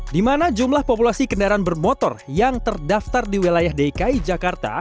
di mana jumlah populasi kendaraan bermotor yang terdaftar di wilayah dki jakarta